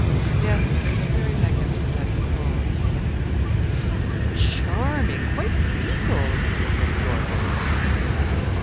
'Yes, very magnificent, I suppose.' 'How charming quite regal you will look, Dorcas!'